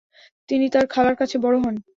তিনি তার খালার কাছে বড় হন।